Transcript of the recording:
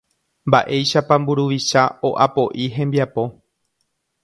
Mba'éichapa mburuvicha o'apo'i hembiapo